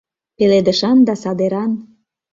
Пеледышан да садеран: